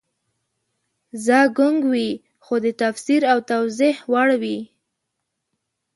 څه ګونګ وي خو د تفسیر او توضیح وړ وي